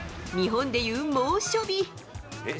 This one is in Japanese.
日本でいう猛暑日。